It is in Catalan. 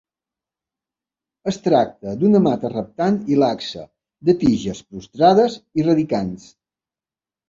Es tracta d'una mata reptant i laxa, de tiges prostrades i radicants.